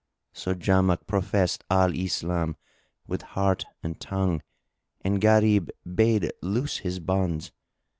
So Jamak professed Al Islam with heart and tongue and Gharib bade loose his bonds.